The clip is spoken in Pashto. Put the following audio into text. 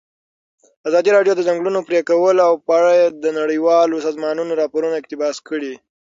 ازادي راډیو د د ځنګلونو پرېکول په اړه د نړیوالو سازمانونو راپورونه اقتباس کړي.